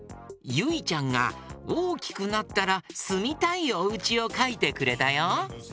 ゆいちゃんがおおきくなったらすみたいおうちをかいてくれたよ。